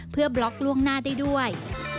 เพื่อบล็อกล่วงหน้าได้ด้วย